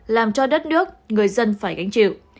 làm cho đất nước người dân phải gánh chịu